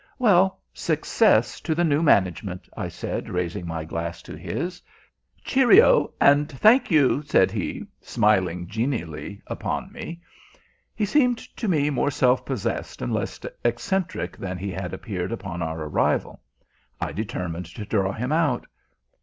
"Well, success to the new management!" I said, raising my glass to his. "Cheerio, and thank you," said he, smiling genially upon me. He seemed to me more self possessed and less eccentric than he had appeared upon our arrival. I determined to draw him out.